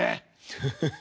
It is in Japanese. フフフフ。